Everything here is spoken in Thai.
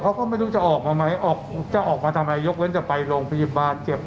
เขาก็ไม่รู้จะออกมาไหมออกจะออกมาทำอะไรยกเว้นจะไปโรงพยาบาลเจ็บ